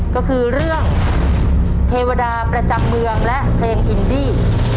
ก็คือเรื่องเทวดาประจำเมืองและเพลงอินดี้